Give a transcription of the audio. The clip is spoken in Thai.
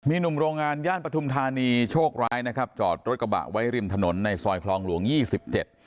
หนุ่มโรงงานย่านปฐุมธานีโชคร้ายนะครับจอดรถกระบะไว้ริมถนนในซอยคลองหลวงยี่สิบเจ็ด